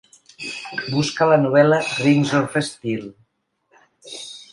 Busca la novel·la Rings of steel